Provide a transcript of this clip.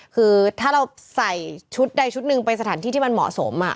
คือถ้าเราใส่ชุดใดชุดหนึ่งไปสถานที่ที่มันเหมาะสม